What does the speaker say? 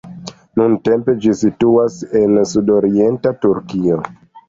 Nuntempe ĝi situas en sudorienta Turkio.